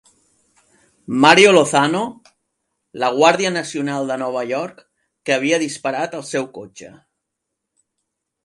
Mario Lozano, la Guàrdia Nacional de Nova York que havia disparat al seu cotxe.